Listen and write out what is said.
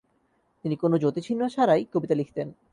তিনি কোনও যতিচিহ্ন ছাড়াই কবিতা লিখতেন।